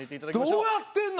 どうやってんの？